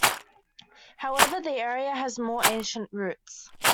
However, the area has more ancient roots.